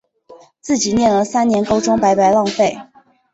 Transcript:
自己念了三年高中白白浪费